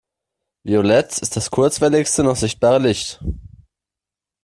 Violett ist das kurzwelligste noch sichtbare Licht.